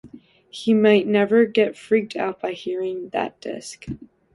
He might never get freaked out by hearing that disc.